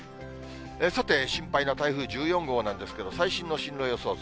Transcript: さて、心配な台風１４号なんですけれども、最新の進路予想図。